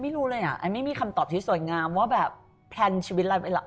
ไม่รู้เลยไม่มีคำตอบที่สวยงามว่าแบบแพลนชีวิตอะไรไป